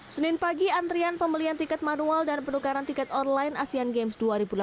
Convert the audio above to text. senin pagi antrian pembelian tiket manual dan penukaran tiket online asean games dua ribu delapan belas